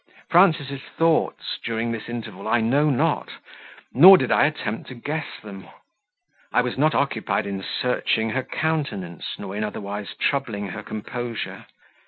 Frances' thoughts, during this interval, I know not, nor did I attempt to guess them; I was not occupied in searching her countenance, nor in otherwise troubling her composure.